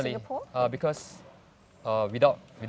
berarti empat hari